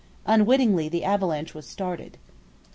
Unwittingly the avalanche was started.